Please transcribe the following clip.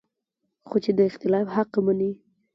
خو چې د اختلاف حق مني